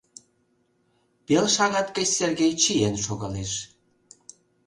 ...Пел шагат гыч Сергей чиен шогалеш.